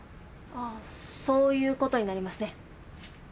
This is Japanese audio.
ああそういうことになりますね。